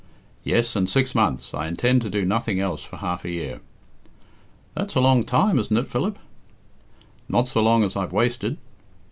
"Yes, and six months I intend to do nothing else for half a year." "That's a long time, isn't it, Philip?" "Not so long as I've wasted."